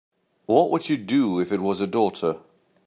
What would you do if it was a daughter?